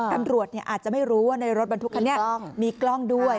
ตำรวจอาจจะไม่รู้ว่าในรถบรรทุกคันนี้มีกล้องด้วย